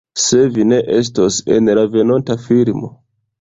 Se vi ne estos en la venonta filmo